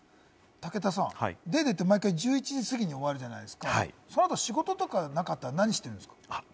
武田さん、『ＤａｙＤａｙ．』って、毎回１１時過ぎに終わるじゃないですか、そのあと、仕事とかなかったら何してるんですか？